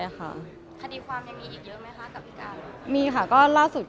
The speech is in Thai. อเรนนี่มีหลังไม้ไม่มี